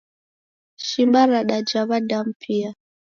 Shimba radaja w`adamu pia